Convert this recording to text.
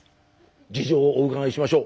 事情をお伺いしましょう。